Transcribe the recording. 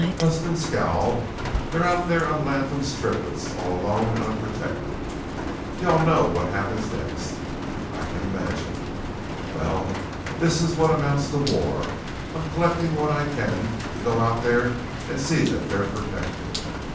Huston scowled. "They're out there on Latham's Triplets, all alone and unprotected. Y'know what happens next?" "I can imagine." "Well, this is what amounts to war. I'm collecting what I can to go out there and see that they're protected!"